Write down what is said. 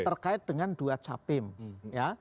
terkait dengan dua capim ya